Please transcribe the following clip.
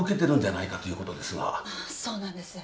そうなんです。